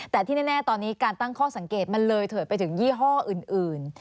แต่ที่แน่ตอนนี้การตั้งข้อสังเกตมันเลยเถิดไปถึงยี่ห้ออื่น